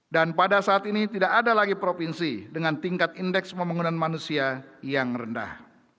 dan pada saat ini tidak ada lagi provinsi dengan tingkat indeks pembangunan manusia yang rendah